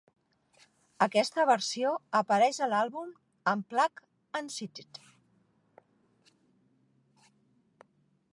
Aquesta versió apareix a l'àlbum "Unplugged...and Seated".